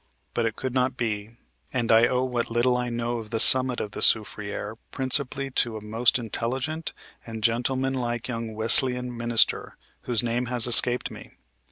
But it could not be, and I owe what little I know of the summit of the soufriere principally to a most intelligent and gentleman like young Wesleyan minister, whose name has escaped me.